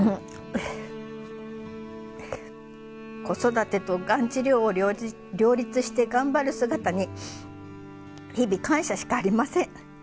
子育てとがん治療を両立して頑張る姿に日々感謝しかありません。